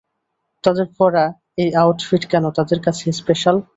তাদের পড়া এই আউটফিট কেন তাদের কাছে স্পেশাল?